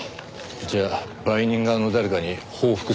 じゃあ売人側の誰かに報復されたとか。